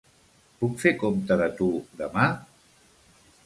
Puc fer compte de tu, demà?